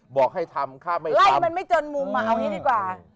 บอกให้ทำข้าไม่ทำ